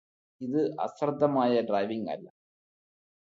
ഇത് അശ്രദ്ധമായ ഡ്രൈവിങ്ങല്ല